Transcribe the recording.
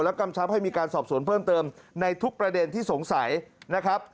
กำชับให้มีการสอบสวนเพิ่มเติมในทุกประเด็นที่สงสัยนะครับ